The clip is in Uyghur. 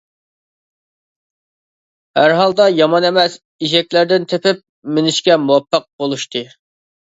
ھەر ھالدا يامان ئەمەس ئېشەكلەردىن تېپىپ مىنىشكە مۇۋەپپەق بولۇشتى.